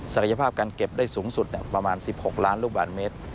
ศักยภาพการเก็บได้สูงสุดประมาณ๑๖ล้านลูกบาทเมตร